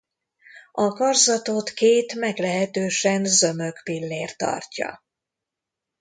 A karzatot két meglehetősen zömök pillér tartja.